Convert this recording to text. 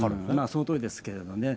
そのとおりですけどね。